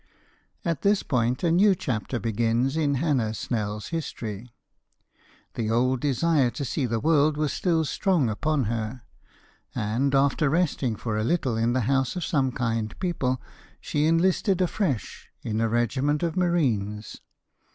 At this point a new chapter begins in Hannah Snell's history. The old desire to see the world was still strong upon her, and, after resting for a little in the house of some kind people, she enlisted afresh in a regiment of marines.